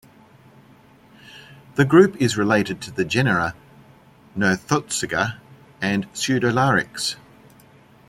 The group is related to the genera "Nothotsuga" and "Pseudolarix".